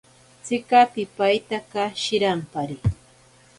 Tsika pipaitaka shirampari.